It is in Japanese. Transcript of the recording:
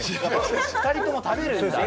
２人とも食べるんだ？